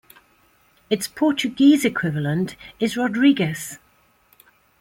Its Portuguese equivalent is Rodrigues.